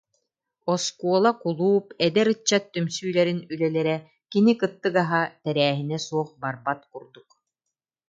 Оскуола, кулууп, эдэр ыччат түмсүүлэрин үлэлэрэ кини кыттыгаһа, тэрээһинэ суох барбат курдук